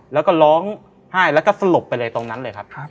แล้วก็ร้องไห้แล้วก็สลบไปเลยตรงนั้นเลยครับ